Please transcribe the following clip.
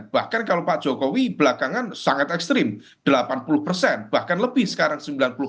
bahkan kalau pak jokowi belakangan sangat ekstrim delapan puluh persen bahkan lebih sekarang sembilan puluh empat